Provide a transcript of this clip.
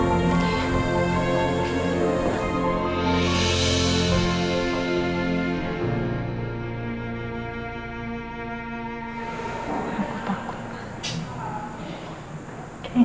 kayaknya sebetulnya aku bakal ketawa